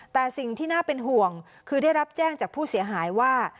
แต่สิ่งที่น่าเป็นห่วงคือได้รับแจ้งจากผู้เสียหายว่า